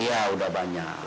iya udah banyak